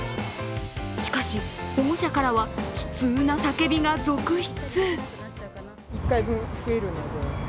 しかし、保護者からは悲痛な叫びが続出。